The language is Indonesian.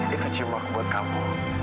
itu ciumanku buat kamu